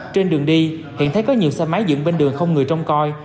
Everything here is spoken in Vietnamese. trên đường đi hiện thấy có nhiều xe máy dựng bên đường không người trông coi